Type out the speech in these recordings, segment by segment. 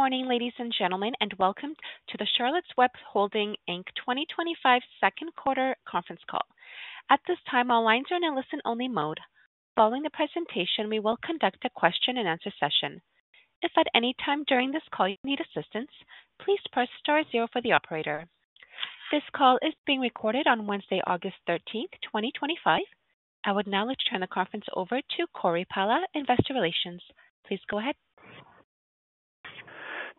Morning, ladies and gentlemen, and welcome to the Charlotte's Web Holdings Inc. 2025 Second Quarter Conference Call. At this time, our lines are in a listen-only mode. Following the presentation, we will conduct a question and answer session. If at any time during this call you need assistance, please press star zero for the operator. This call is being recorded on Wednesday, August 13th, 2025. I would now like to turn the conference over to Cory Pala, Investor Relations. Please go ahead.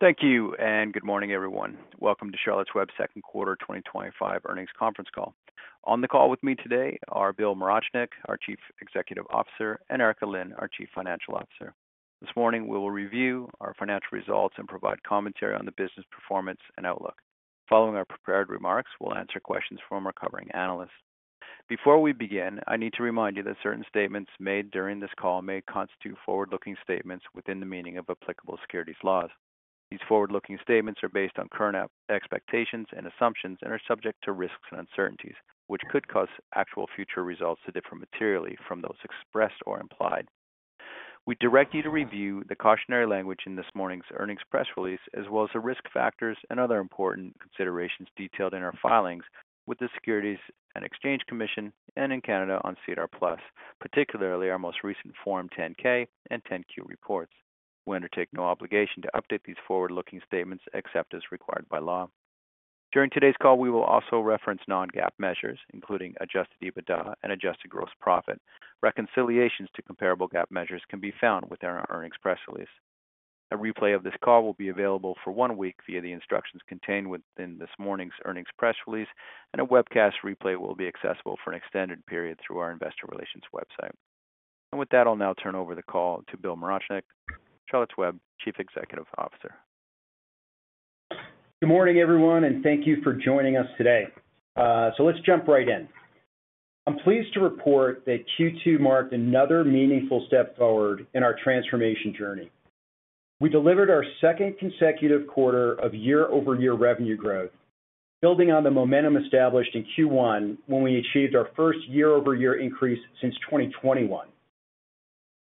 Thank you, and good morning, everyone. Welcome to Charlotte's Web Second Quarter 2025 Earnings Conference Call. On the call with me today are Bill Morachnick, our Chief Executive Officer, and Erika Lind, our Chief Financial Officer. This morning, we will review our financial results and provide commentary on the business performance and outlook. Following our prepared remarks, we'll answer questions from our covering analysts. Before we begin, I need to remind you that certain statements made during this call may constitute forward-looking statements within the meaning of applicable securities laws. These forward-looking statements are based on current expectations and assumptions and are subject to risks and uncertainties, which could cause actual future results to differ materially from those expressed or implied. We direct you to review the cautionary language in this morning's earnings press release, as well as the risk factors and other important considerations detailed in our filings with the Securities and Exchange Commission and in Canada on SEDAR+, particularly our most recent Form 10-K and 10-Q reports. We undertake no obligation to update these forward-looking statements except as required by law. During today's call, we will also reference non-GAAP measures, including adjusted EBITDA and adjusted gross profit. Reconciliations to comparable GAAP measures can be found within our earnings press release. A replay of this call will be available for one week via the instructions contained within this morning's earnings press release, and a webcast replay will be accessible for an extended period through our Investor Relations website. With that, I'll now turn over the call to Bill Morachnick, Charlotte's Web Chief Executive Officer. Good morning, everyone, and thank you for joining us today. Let's jump right in. I'm pleased to report that Q2 marked another meaningful step forward in our transformation journey. We delivered our second consecutive quarter of year-over-year revenue growth, building on the momentum established in Q1 when we achieved our first year-over-year increase since 2021.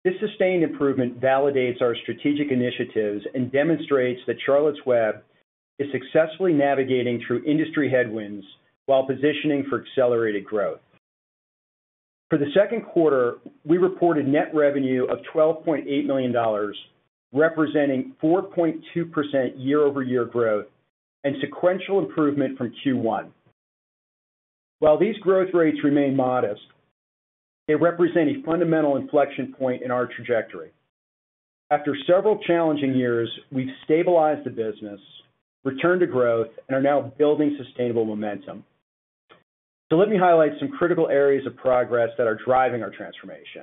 This sustained improvement validates our strategic initiatives and demonstrates that Charlotte's Web is successfully navigating through industry headwinds while positioning for accelerated growth. For the second quarter, we reported net revenue of $12.8 million, representing 4.2% year-over-year growth and sequential improvement from Q1. While these growth rates remain modest, they represent a fundamental inflection point in our trajectory. After several challenging years, we've stabilized the business, returned to growth, and are now building sustainable momentum. Let me highlight some critical areas of progress that are driving our transformation.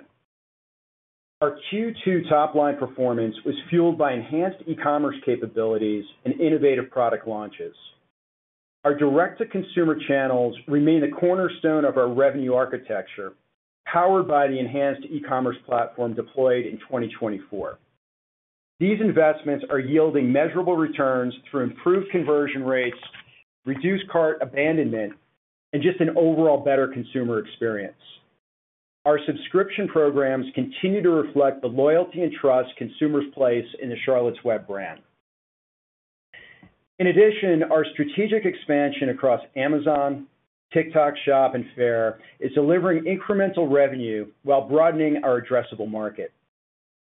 Our Q2 top-line performance was fueled by enhanced e-commerce capabilities and innovative product launches. Our direct-to-consumer channels remain the cornerstone of our revenue architecture, powered by the enhanced e-commerce platform deployed in 2024. These investments are yielding measurable returns through improved conversion rates, reduced cart abandonment, and just an overall better consumer experience. Our subscription programs continue to reflect the loyalty and trust consumers place in the Charlotte's Web brand. In addition, our strategic expansion across Amazon, TikTok Shop, and Faire is delivering incremental revenue while broadening our addressable market.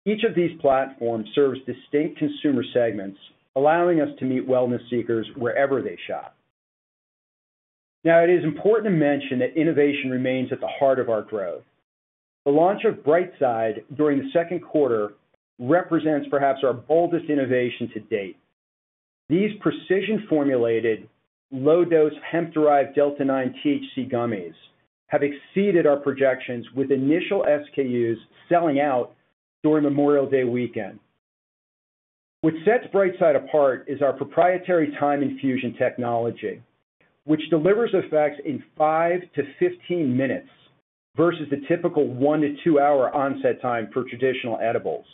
Each of these platforms serves distinct consumer segments, allowing us to meet wellness seekers wherever they shop. It is important to mention that innovation remains at the heart of our growth. The launch of Brightside during the second quarter represents perhaps our boldest innovation to date. These precision-formulated, low-dose hemp-derived Delta-9 THC gummies have exceeded our projections with initial SKUs selling out during Memorial Day weekend. What sets Brightside apart is our proprietary time infusion technology, which delivers effects in five to fifteen minutes versus the typical one to two-hour onset time for traditional edibles.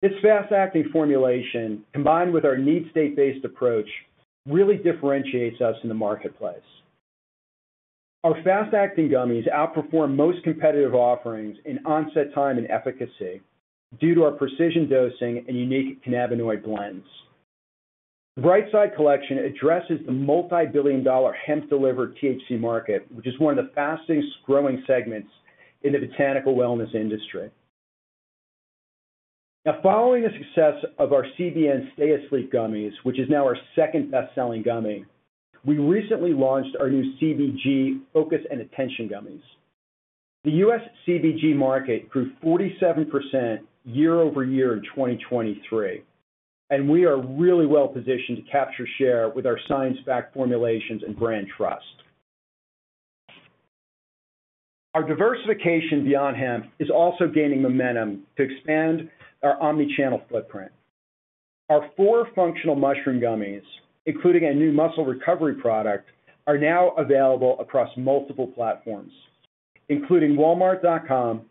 This fast-acting formulation, combined with our need state-based approach, really differentiates us in the marketplace. Our fast-acting gummies outperform most competitive offerings in onset time and efficacy due to our precision dosing and unique cannabinoid blends. Brightside collection addresses the multi-billion dollar hemp-delivered THC market, which is one of the fastest growing segments in the botanical wellness industry. Now, following the success of our CBN Stay Asleep Gummies, which is now our second best-selling gummy, we recently launched our new CBG Focus & Attention Gummies. The U.S. CBG market grew 47% year-over-year in 2023, and we are really well positioned to capture share with our science-backed formulations and brand trust. Our diversification beyond hemp is also gaining momentum to expand our omnichannel footprint. Our four functional mushroom gummies, including a new muscle recovery product, are now available across multiple platforms, including walmart.com,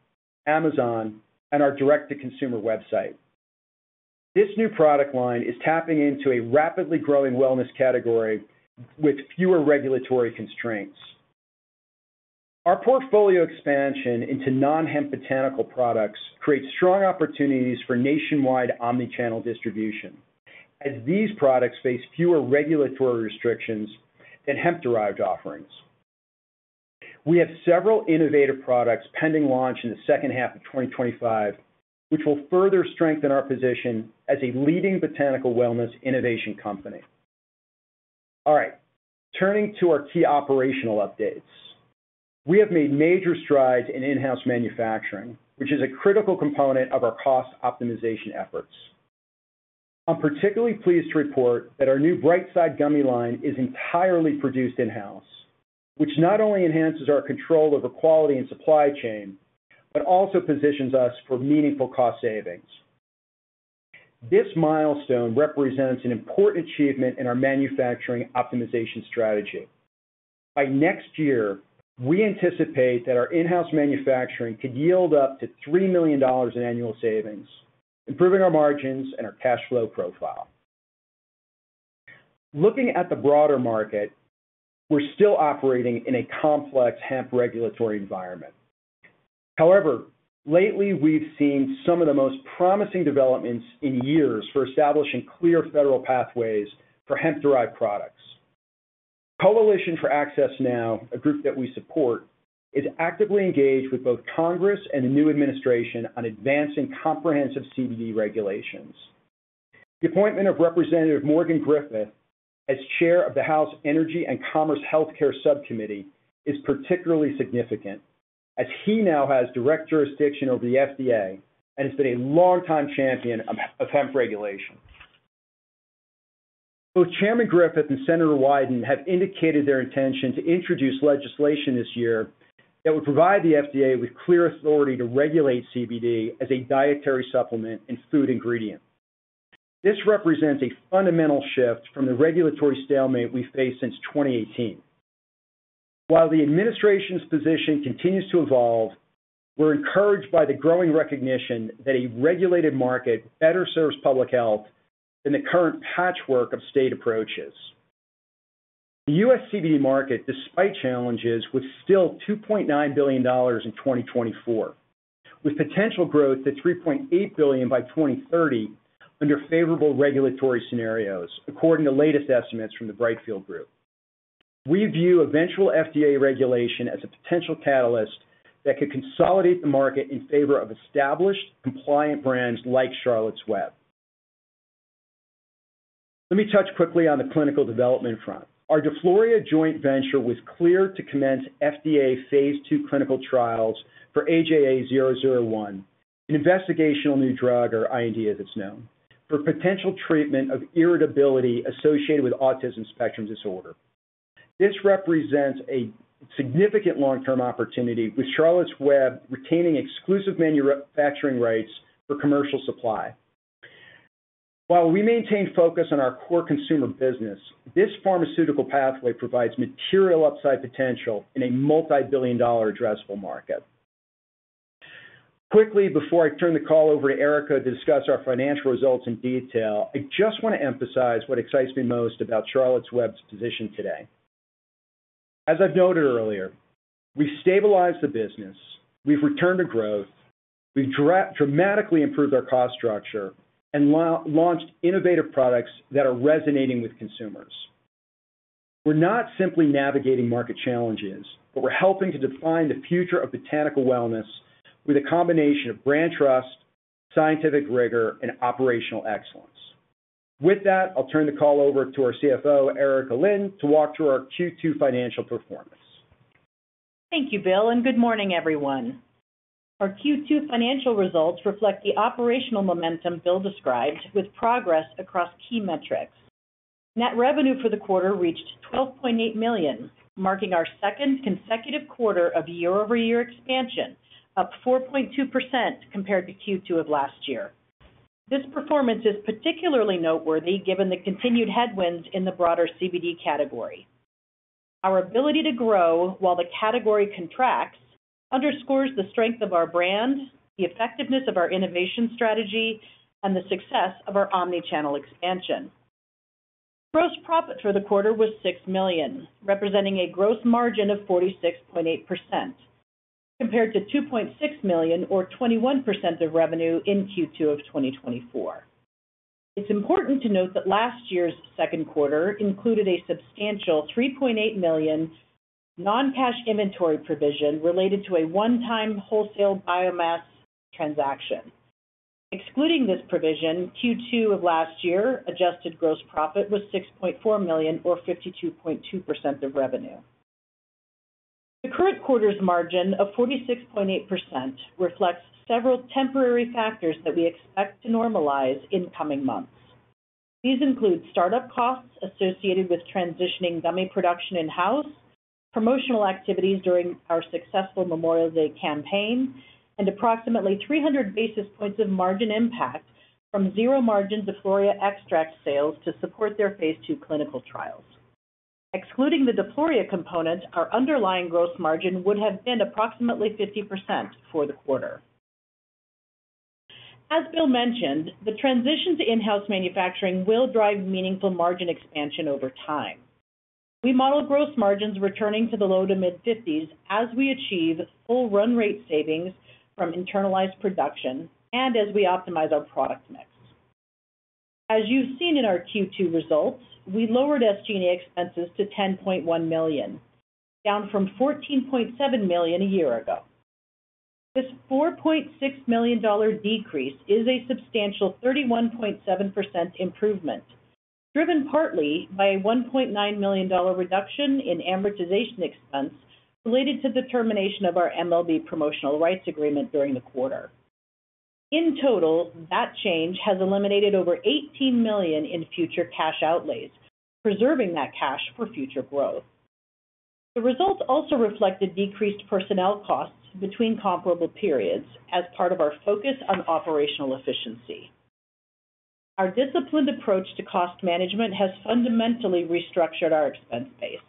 Amazon, and our direct-to-consumer website. This new product line is tapping into a rapidly growing wellness category with fewer regulatory constraints. Our portfolio expansion into non-hemp botanical products creates strong opportunities for nationwide omnichannel distribution, as these products face fewer regulatory restrictions than hemp-derived offerings. We have several innovative products pending launch in the second half of 2025, which will further strengthen our position as a leading botanical wellness innovation company. All right, turning to our key operational updates. We have made major strides in in-house manufacturing, which is a critical component of our cost optimization efforts. I'm particularly pleased to report that our new Brightside gummy line is entirely produced in-house, which not only enhances our control over quality and supply chain, but also positions us for meaningful cost savings. This milestone represents an important achievement in our manufacturing optimization strategy. By next year, we anticipate that our in-house manufacturing could yield up to $3 million in annual savings, improving our margins and our cash flow profile. Looking at the broader market, we're still operating in a complex hemp regulatory environment. However, lately we've seen some of the most promising developments in years for establishing clear federal pathways for hemp-derived products. Coalition for Access Now, a group that we support, is actively engaged with both Congress and the new administration on advancing comprehensive CBD regulations. The appointment of Representative Morgan Griffith as Chair of the House Energy and Commerce Healthcare Subcommittee is particularly significant, as he now has direct jurisdiction over the FDA and has been a long-time champion of hemp regulation. Both Chairman Griffith and Senator Wyden have indicated their intention to introduce legislation this year that would provide the FDA with clear authority to regulate CBD as a dietary supplement and food ingredient. This represents a fundamental shift from the regulatory stalemate we faced since 2018. While the administration's position continues to evolve, we're encouraged by the growing recognition that a regulated market better serves public health than the current patchwork of state approaches. The U.S. CBD market, despite challenges, was still $2.9 billion in 2024, with potential growth to $3.8 billion by 2030 under favorable regulatory scenarios, according to latest estimates from the Brightfield Group. We view eventual FDA regulation as a potential catalyst that could consolidate the market in favor of established compliant brands like Charlotte's Web. Let me touch quickly on the clinical development front. Our DeFloria joint venture was cleared to commence FDA phase II clinical trials for AJA001, an investigational new drug, or IND as it's known, for potential treatment of irritability associated with autism spectrum disorder. This represents a significant long-term opportunity, with Charlotte's Web retaining exclusive manufacturing rights for commercial supply. While we maintain focus on our core consumer business, this pharmaceutical pathway provides material upside potential in a multi-billion dollar addressable market. Quickly, before I turn the call over to Erika to discuss our financial results in detail, I just want to emphasize what excites me most about Charlotte's Web's position today. As I've noted earlier, we've stabilized the business, we've returned to growth, we've dramatically improved our cost structure, and launched innovative products that are resonating with consumers. We're not simply navigating market challenges, but we're helping to define the future of botanical wellness with a combination of brand trust, scientific rigor, and operational excellence. With that, I'll turn the call over to our CFO, Erika Lind, to walk through our Q2 financial performance. Thank you, Bill, and good morning, everyone. Our Q2 financial results reflect the operational momentum Bill described, with progress across key metrics. Net revenue for the quarter reached $12.8 million, marking our second consecutive quarter of year-over-year expansion, up 4.2% compared to Q2 of last year. This performance is particularly noteworthy given the continued headwinds in the broader CBD category. Our ability to grow while the category contracts underscores the strength of our brand, the effectiveness of our innovation strategy, and the success of our omnichannel expansion. Gross profit for the quarter was $6 million, representing a gross margin of 46.8%, compared to $2.6 million or 21% of revenue in Q2 of 2024. It's important to note that last year's second quarter included a substantial $3.8 million non-cash inventory provision related to a one-time wholesale biomass transaction. Excluding this provision, Q2 of last year adjusted gross profit was $6.4 million or 52.2% of revenue. The current quarter's margin of 46.8% reflects several temporary factors that we expect to normalize in coming months. These include startup costs associated with transitioning gummy production in-house, promotional activities during our successful Memorial Day campaign, and approximately 300 basis points of margin impact from zero margin DeFloria extract sales to support their phase II clinical trials. Excluding the DeFloria component, our underlying gross margin would have been approximately 50% for the quarter. As Bill mentioned, the transition to in-house manufacturing will drive meaningful margin expansion over time. We model gross margins returning to the low to mid-50s as we achieve full run rate savings from internalized production and as we optimize our product mix. As you've seen in our Q2 results, we lowered SG&A expenses to $10.1 million, down from $14.7 million a year ago. This $4.6 million decrease is a substantial 31.7% improvement, driven partly by a $1.9 million reduction in amortization expense related to the termination of our MLB Promotional Rights Agreement during the quarter. In total, that change has eliminated over $18 million in future cash outlays, preserving that cash for future growth. The results also reflected decreased personnel costs between comparable periods as part of our focus on operational efficiency. Our disciplined approach to cost management has fundamentally restructured our expense base.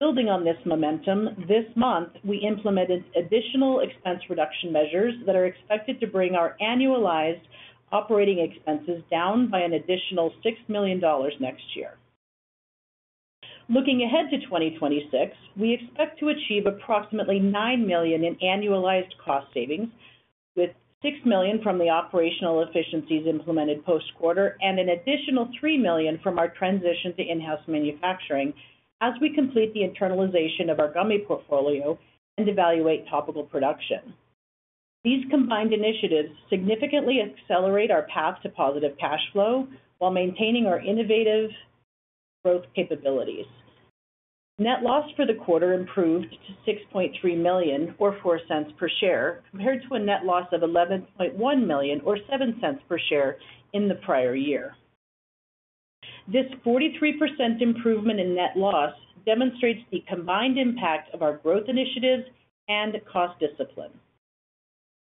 Building on this momentum, this month we implemented additional expense reduction measures that are expected to bring our annualized operating expenses down by an additional $6 million next year. Looking ahead to 2026, we expect to achieve approximately $9 million in annualized cost savings, with $6 million from the operational efficiencies implemented post-quarter and an additional $3 million from our transition to in-house manufacturing as we complete the internalization of our gummy portfolio and evaluate topical production. These combined initiatives significantly accelerate our path to positive cash flow while maintaining our innovative growth capabilities. Net loss for the quarter improved to $6.3 million or $0.04 per share, compared to a net loss of $11.1 million or $0.07 per share in the prior year. This 43% improvement in net loss demonstrates the combined impact of our growth initiatives and cost discipline.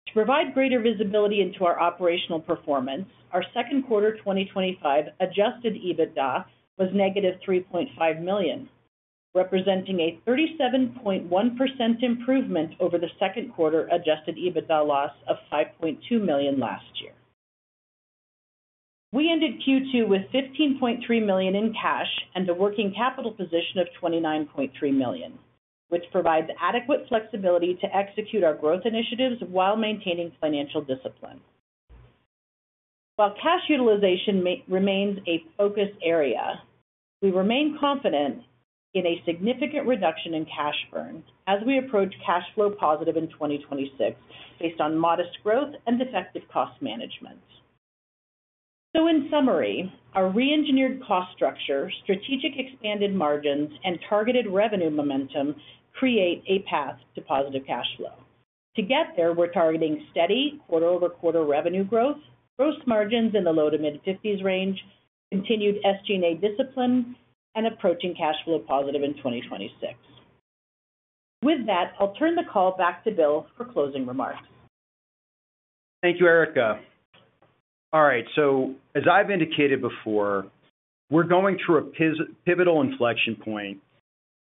To provide greater visibility into our operational performance, our second quarter 2025 adjusted EBITDA was -$3.5 million, representing a 37.1% improvement over the second quarter adjusted EBITDA loss of $5.2 million last year. We ended Q2 with $15.3 million in cash and a working capital position of $29.3 million, which provides adequate flexibility to execute our growth initiatives while maintaining financial discipline. While cash utilization remains a focus area, we remain confident in a significant reduction in cash burn as we approach cash flow positive in 2026, based on modest growth and effective cost management. In summary, our re-engineered cost structure, strategic expanded margins, and targeted revenue momentum create a path to positive cash flow. Together, we're targeting steady quarter-over-quarter revenue growth, gross margins in the low to mid-50% range, continued SG&A discipline, and approaching cash flow positive in 2026. With that, I'll turn the call back to Bill for closing remarks. Thank you, Erika. All right, as I've indicated before, we're going through a pivotal inflection point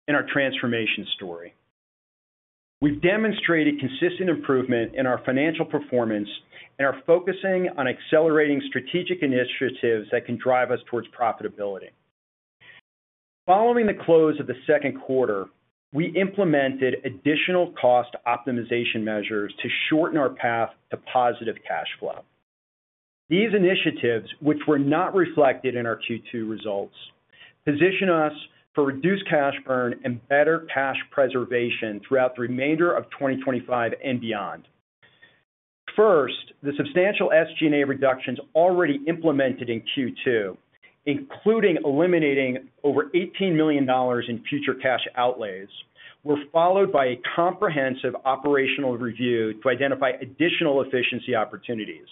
in our transformation story. We've demonstrated consistent improvement in our financial performance and are focusing on accelerating strategic initiatives that can drive us towards profitability. Following the close of the second quarter, we implemented additional cost optimization measures to shorten our path to positive cash flow. These initiatives, which were not reflected in our Q2 results, position us for reduced cash burn and better cash preservation throughout the remainder of 2025 and beyond. First, the substantial SG&A reductions already implemented in Q2, including eliminating over $18 million in future cash outlays, were followed by a comprehensive operational review to identify additional efficiency opportunities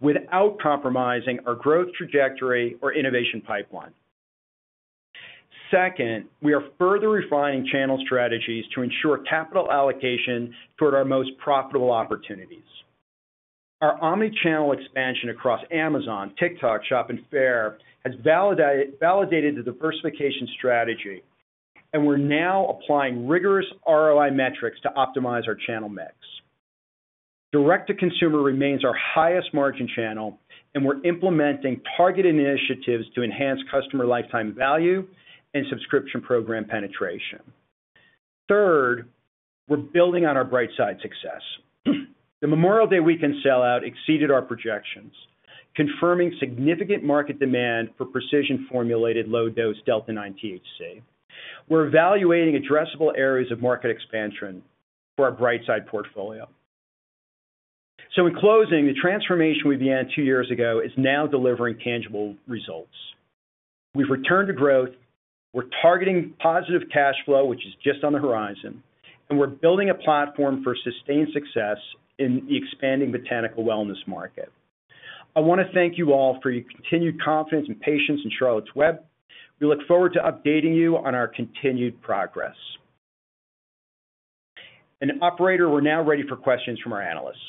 without compromising our growth trajectory or innovation pipeline. Second, we are further refining channel strategies to ensure capital allocation toward our most profitable opportunities. Our omnichannel expansion across Amazon, TikTok Shop, and Faire has validated the diversification strategy, and we're now applying rigorous ROI metrics to optimize our channel mix. Direct-to-consumer remains our highest margin channel, and we're implementing targeted initiatives to enhance customer lifetime value and subscription program penetration. Third, we're building on our Brightside success. The Memorial Day weekend sell-out exceeded our projections, confirming significant market demand for precision-formulated low-dose Delta-9 THC. We're evaluating addressable areas of market expansion for our Brightside portfolio. In closing, the transformation we began two years ago is now delivering tangible results. We've returned to growth, we're targeting positive cash flow, which is just on the horizon, and we're building a platform for sustained success in the expanding botanical wellness market. I want to thank you all for your continued confidence and patience in Charlotte's Web. We look forward to updating you on our continued progress. Operator, we're now ready for questions from our analysts.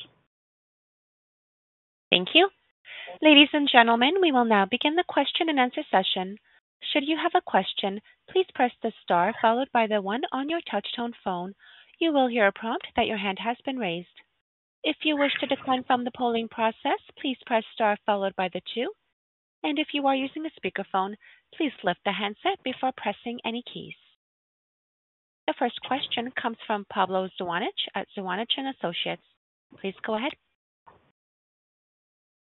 Thank you. Ladies and gentlemen, we will now begin the question and answer session. Should you have a question, please press the star followed by the one on your touchtone phone. You will hear a prompt that your hand has been raised. If you wish to decline from the polling process, please press star followed by the two. If you are using a speakerphone, please lift the handset before pressing any keys. The first question comes from Pablo Zuanic at Zuanic & Associates. Please go ahead.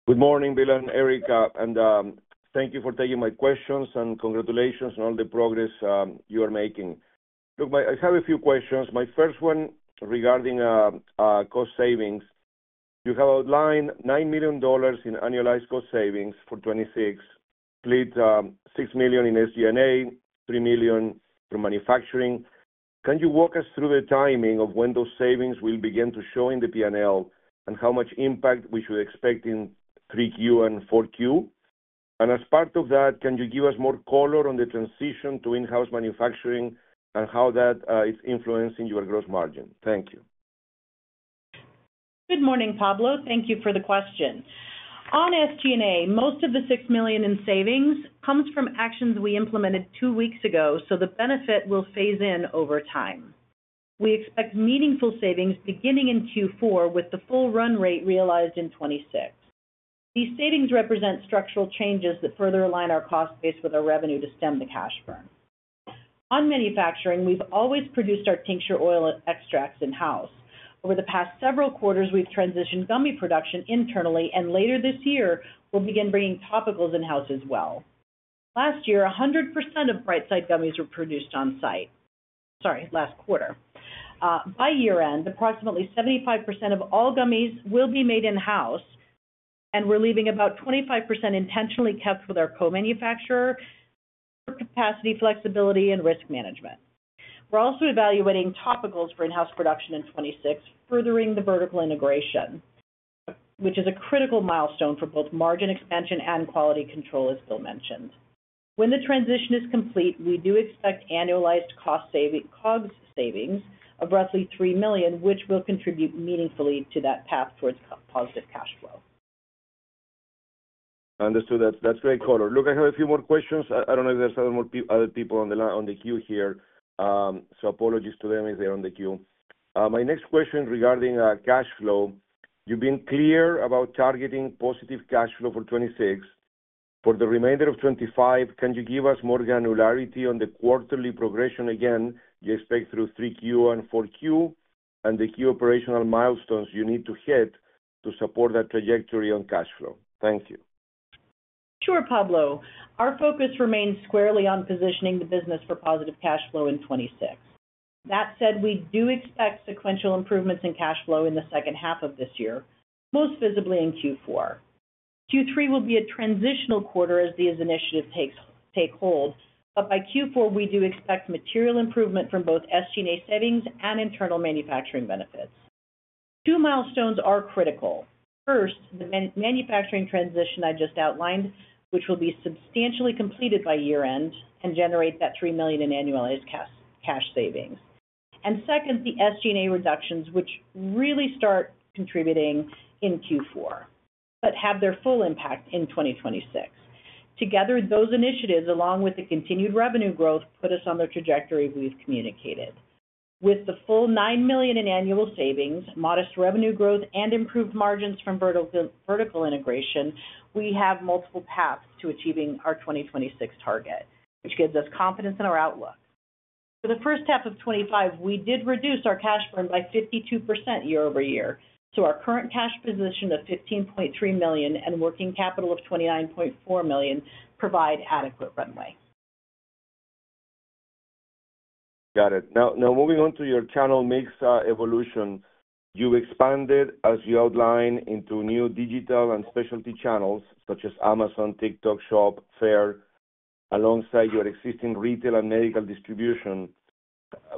Good morning, Bill and Erika, and thank you for taking my questions and congratulations on all the progress you are making. I have a few questions. My first one regarding cost savings. You have outlined $9 million in annualized cost savings for 2026, split $6 million in SG&A, $3 million for manufacturing. Can you walk us through the timing of when those savings will begin to show in the P&L and how much impact we should expect in 3Q and 4Q? As part of that, can you give us more color on the transition to in-house manufacturing and how that is influencing your gross margin? Thank you. Good morning, Pablo. Thank you for the question. On SG&A, most of the $6 million in savings comes from actions we implemented two weeks ago, so the benefit will phase in over time. We expect meaningful savings beginning in Q4 with the full run rate realized in 2026. These savings represent structural changes that further align our cost base with our revenue to stem the cash burn. On manufacturing, we've always produced our tincture oil extracts in-house. Over the past several quarters, we've transitioned gummy production internally, and later this year, we'll begin bringing topicals in-house as well. Last quarter, 100% of Brightside gummies were produced on site. By year-end, approximately 75% of all gummies will be made in-house, and we're leaving about 25% intentionally kept with our co-manufacturer for capacity flexibility and risk management. We're also evaluating topicals for in-house production in 2026, furthering the vertical integration, which is a critical milestone for both margin expansion and quality control, as Bill mentioned. When the transition is complete, we do expect annualized cost savings of roughly $3 million, which will contribute meaningfully to that path towards positive cash flow. Understood. That's very clear. I have a few more questions. I don't know if there's other people on the queue here, so apologies to them if they're on the queue. My next question is regarding cash flow. You've been clear about targeting positive cash flow for 2026. For the remainder of 2025, can you give us more granularity on the quarterly progression again? Do you expect through 3Q and 4Q, and the key operational milestones you need to hit to support that trajectory on cash flow? Thank you. Sure, Pablo. Our focus remains squarely on positioning the business for positive cash flow in 2026. That said, we do expect sequential improvements in cash flow in the second half of this year, most visibly in Q4. Q3 will be a transitional quarter as these initiatives take hold, but by Q4, we do expect material improvement from both SG&A savings and internal manufacturing benefits. Two milestones are critical. First, the manufacturing transition I just outlined, which will be substantially completed by year-end and generate that $3 million in annualized cash savings. Second, the SG&A reductions, which really start contributing in Q4, but have their full impact in 2026. Together, those initiatives, along with the continued revenue growth, put us on the trajectory we've communicated. With the full $9 million in annual savings, modest revenue growth, and improved margins from vertical integration, we have multiple paths to achieving our 2026 target, which gives us confidence in our outlook. For the first half of 2025, we did reduce our cash burn by 52% year-over-year, so our current cash position of $15.3 million and working capital of $29.4 million provide adequate runway. Got it. Now, moving on to your channel mix evolution, you've expanded, as you outlined, into new digital and specialty channels such as Amazon, TikTok Shop, Faire, alongside your existing retail and medical distribution.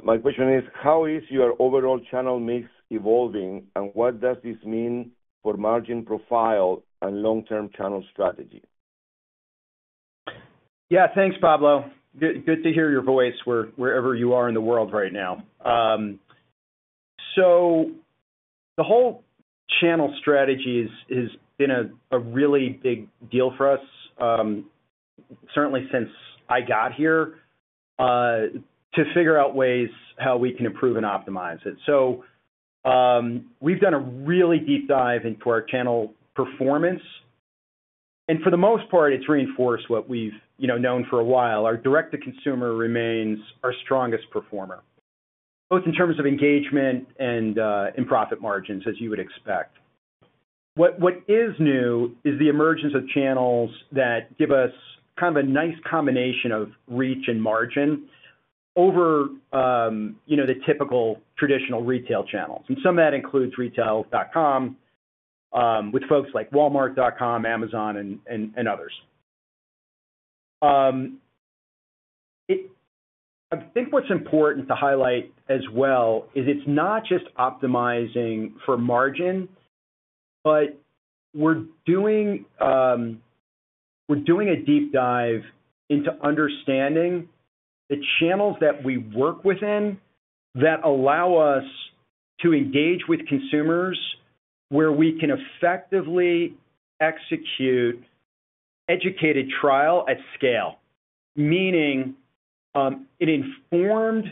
My question is, how is your overall channel mix evolving, and what does this mean for margin profile and long-term channel strategy? Yeah, thanks, Pablo. Good to hear your voice wherever you are in the world right now. The whole channel strategy has been a really big deal for us, certainly since I got here, to figure out ways how we can improve and optimize it. We've done a really deep dive into our channel performance, and for the most part, it's reinforced what we've known for a while. Our direct-to-consumer remains our strongest performer, both in terms of engagement and in profit margins, as you would expect. What is new is the emergence of channels that give us kind of a nice combination of reach and margin over the typical traditional retail channels. Some of that includes retail.com, with folks like walmart.com, Amazon, and others. I think what's important to highlight as well is it's not just optimizing for margin, but we're doing a deep dive into understanding the channels that we work within that allow us to engage with consumers where we can effectively execute an educated trial at scale, meaning an informed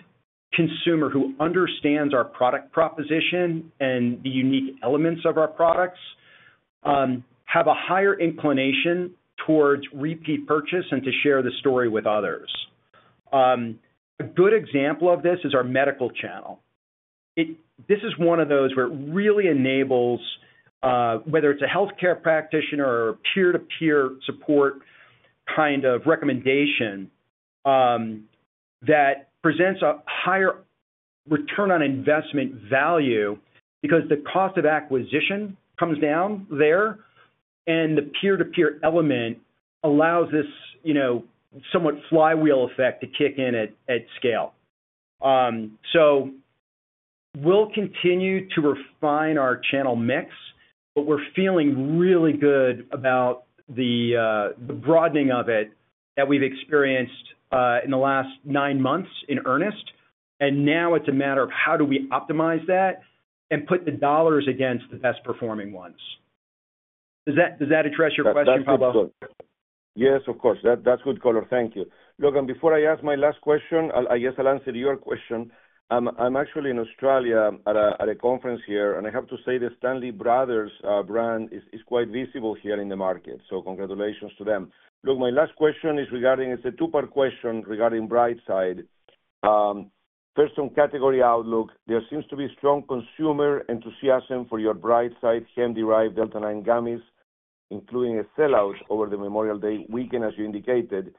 consumer who understands our product proposition and the unique elements of our products has a higher inclination towards repeat purchase and to share the story with others. A good example of this is our medical channel. This is one of those where it really enables, whether it's a healthcare practitioner or a peer-to-peer support kind of recommendation, that presents a higher return on investment value because the cost of acquisition comes down there, and the peer-to-peer element allows this somewhat flywheel effect to kick in at scale. We'll continue to refine our channel mix, but we're feeling really good about the broadening of it that we've experienced in the last nine months in earnest. Now it's a matter of how do we optimize that and put the dollars against the best performing ones. Does that address your question, Pablo? Yes, of course. That's good color. Thank you. Look, before I ask my last question, I guess I'll answer your question. I'm actually in Australia at a conference here, and I have to say the Stanley Brothers brand is quite visible here in the market. So congratulations to them. My last question is regarding, it's a two-part question regarding Brightside. First, on category outlook, there seems to be strong consumer enthusiasm for your Brightside hemp-derived Delta-9 gummies, including a sell-out over the Memorial Day weekend, as you indicated.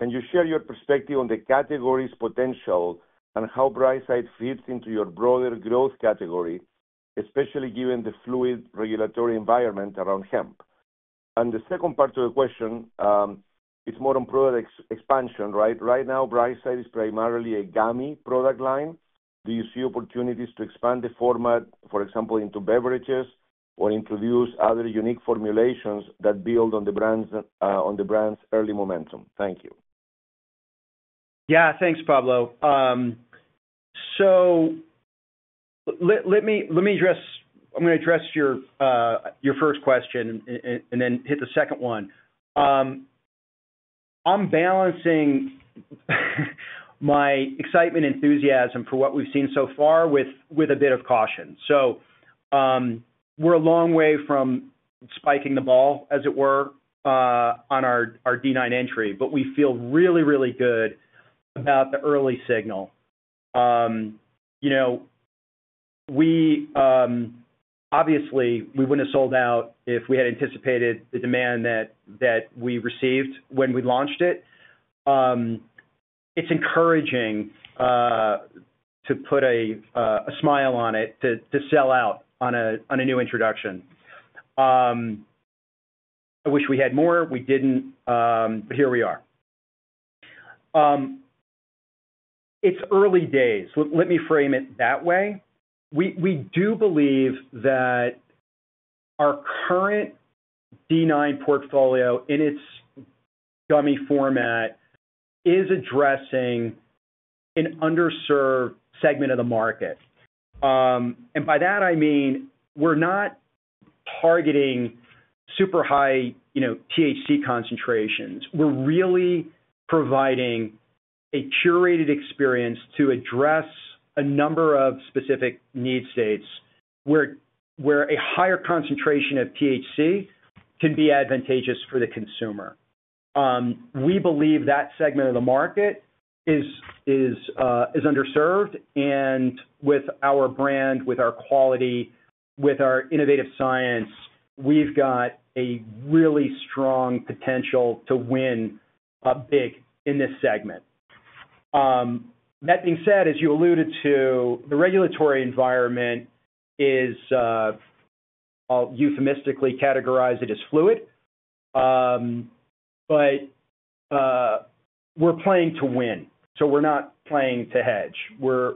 Can you share your perspective on the category's potential and how Brightside fits into your broader growth category, especially given the fluid regulatory environment around hemp? The second part of the question is more on product expansion, right? Right now, Brightside is primarily a gummy product line. Do you see opportunities to expand the format, for example, into beverages or introduce other unique formulations that build on the brand's early momentum? Thank you. Yeah, thanks, Pablo. Let me address your first question and then hit the second one. I'm balancing my excitement and enthusiasm for what we've seen so far with a bit of caution. We're a long way from spiking the ball, as it were, on our D9 entry, but we feel really, really good about the early signal. Obviously, we wouldn't have sold out if we had anticipated the demand that we received when we launched it. It's encouraging, to put a smile on it, to sell out on a new introduction. I wish we had more. We didn't, but here we are. It's early days. Let me frame it that way. We do believe that our current D9 portfolio in its gummy format is addressing an underserved segment of the market. By that, I mean we're not targeting super high THC concentrations. We're really providing a curated experience to address a number of specific need states where a higher concentration of THC can be advantageous for the consumer. We believe that segment of the market is underserved, and with our brand, with our quality, with our innovative science, we've got a really strong potential to win big in this segment. That being said, as you alluded to, the regulatory environment is, I'll euphemistically categorize it as fluid, but we're playing to win. We're not playing to hedge. We're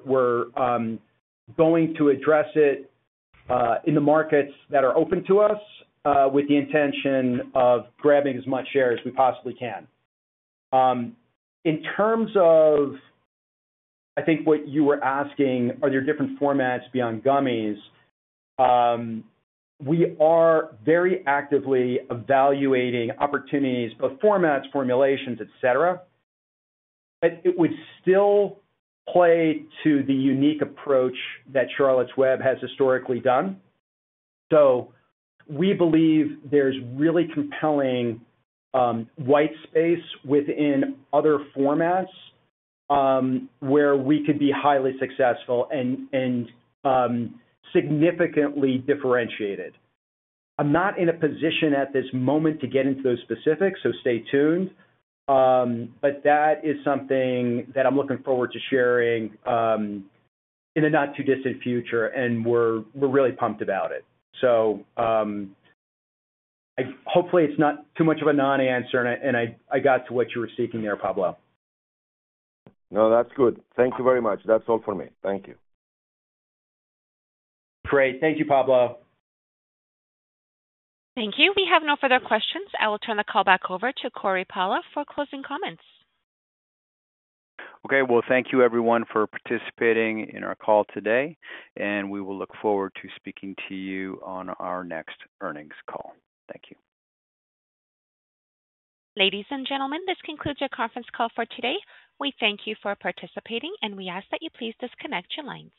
going to address it in the markets that are open to us with the intention of grabbing as much share as we possibly can. In terms of, I think what you were asking, are there different formats beyond gummies? We are very actively evaluating opportunities, both formats, formulations, et cetera. It would still play to the unique approach that Charlotte's Web has historically done. We believe there's really compelling white space within other formats where we could be highly successful and significantly differentiated. I'm not in a position at this moment to get into those specifics, so stay tuned. That is something that I'm looking forward to sharing in the not-too-distant future, and we're really pumped about it. Hopefully, it's not too much of a non-answer, and I got to what you were seeking there, Pablo. No, that's good. Thank you very much. That's all for me. Thank you. Great. Thank you, Pablo. Thank you. We have no further questions. I will turn the call back over to Cory Pala for closing comments. Thank you, everyone, for participating in our call today, and we will look forward to speaking to you on our next earnings call. Thank you. Ladies and gentlemen, this concludes our conference call for today. We thank you for participating, and we ask that you please disconnect your line.